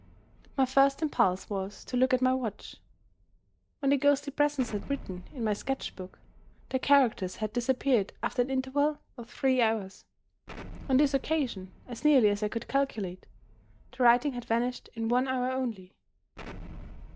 My first impulse was to look at my watch. When the ghostly presence had written in my sketch book, the characters had disappeared after an interval of three hours. On this occasion, as nearly as I could calculate, the writing had vanished in one hour only.